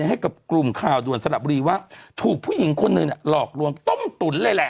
ให้กับกลุ่มข่าวด่วนสลับบุรีว่าถูกผู้หญิงคนหนึ่งหลอกลวงต้มตุ๋นเลยแหละ